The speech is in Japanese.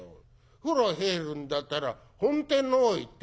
風呂入るんだったら本店のほうへ行って下せえ」。